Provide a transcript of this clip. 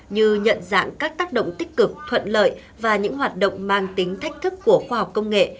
như nhận dạng các tác động tích cực thuận lợi và những hoạt động mang tính thách thức của khoa học công nghệ